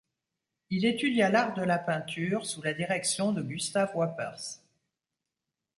Il étudia l’art de la peinture sous la direction de Gustave Wappers.